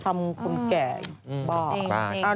ทำคนแก่บ้า